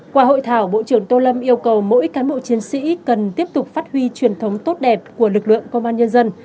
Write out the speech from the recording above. qua hội thảo bộ trưởng tô lâm yêu cầu mỗi cán bộ chiến sĩ cần tiếp tục phát huy truyền thống tốt đẹp của lực lượng công an nhân dân